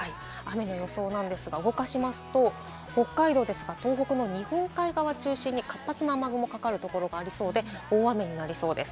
雨の予想なんですが、動かしますと、北海道、東北、日本海側を中心に活発な雨雲がかかるところがありそうで、大雨になりそうです。